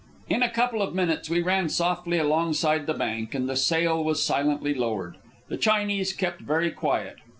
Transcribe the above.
In a couple of minutes we ran softly alongside the bank, and the sail was silently lowered. The Chinese kept very quiet.